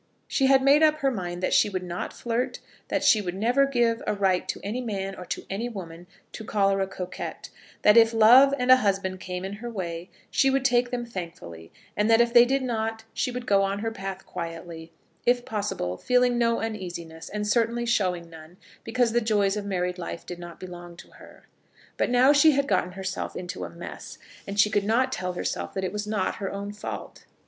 She had made up her mind that she would not flirt, that she would never give a right to any man or to any woman to call her a coquette; that if love and a husband came in her way she would take them thankfully, and that if they did not, she would go on her path quietly, if possible, feeling no uneasiness, and certainly showing none, because the joys of a married life did not belong to her. But now she had gotten herself into a mess, and she could not tell herself that it was not her own fault.